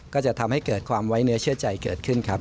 ก็จะทำให้เกิดความไว้เนื้อเชื่อใจเกิดขึ้นครับ